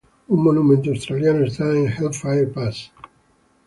Un monumento australiano está en Hellfire Pass.